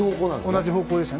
同じ方向でしたね。